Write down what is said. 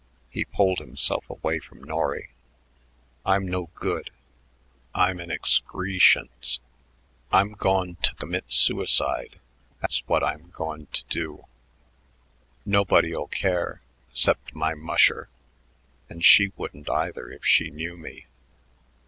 He pulled himself away from Norry. "I'm no good. I'm an ex cree shence. I'm goin' t' commit suicide; tha's what I'm goin' t' do. Nobody'll care 'cept my musher, and she wouldn't either if she knew me.